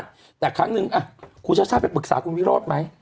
แต่ครั้งหนึ่งคุณชาติชาติไปปรึกษาคุณวิโรธไหม